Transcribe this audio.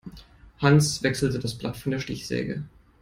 Hans wechselte das Blatt von der Stichsäge.